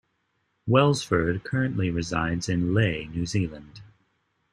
Welsford currently resides in Leigh, New Zealand.